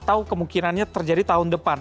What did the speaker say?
atau kemungkinannya terjadi tahun depan